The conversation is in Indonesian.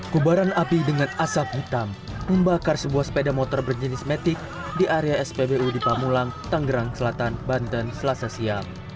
kubaran api dengan asap hitam membakar sebuah sepeda motor berjenis matic di area spbu di pamulang tanggerang selatan banten selasa siang